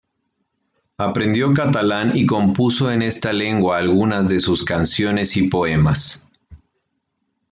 Aprendió catalán y compuso en esta lengua algunas de sus canciones y poemas.